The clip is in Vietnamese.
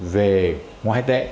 về ngoại tệ